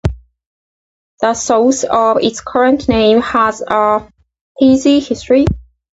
The source of its current name has a hazy history.